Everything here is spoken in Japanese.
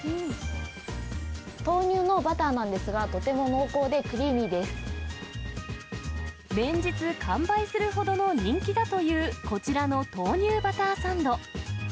豆乳のバターなんですが、連日、完売するほどの人気だというこちらの豆乳バターサンド。